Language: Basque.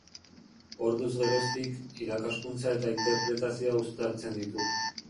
Orduz geroztik, irakaskuntza eta interpretazioa uztartzen ditu.